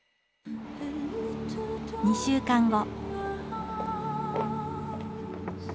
２週間後。